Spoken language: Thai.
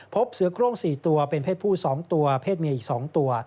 พบเสือโครง๔ตัวเป็นเพศผู้๒ตัวเพศเมียอีก๒ตัว